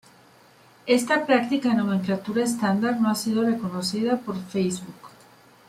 Esta práctica de nomenclatura estándar no ha sido reconocida por Facebook.